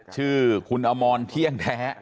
ชื่อคุณอมรเที่ยงแท้